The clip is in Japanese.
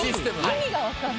意味がわからない。